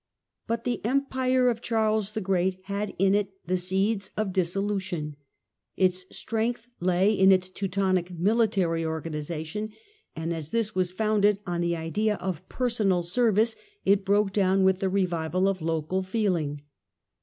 But the Empire of Charles the Great had in it the Decay of seeds of dissolution. Its strength lay in its Teutonic ^™ Em military organisation, and as this was founded on the pire idea of personal service it broke down with the revival of local feeling.